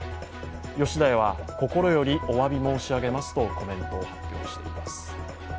吉田屋は、心よりおわび申し上げますとコメントを発表しています。